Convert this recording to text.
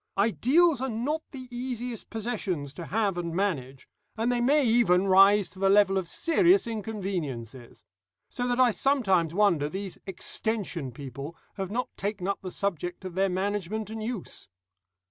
Ideals are not the easiest possessions to have and manage, and they may even rise to the level of serious inconveniences. So that I sometimes wonder these Extension people have not taken up the subject of their management and use.